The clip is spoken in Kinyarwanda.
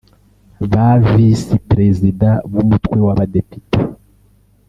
ba Visi Perezida b’Umutwe w’Abadepite